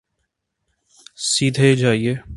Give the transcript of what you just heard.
سیدھے جائیے